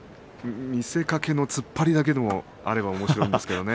見せかけの突っ張りだけでもあるとおもしろいんですけれどもね。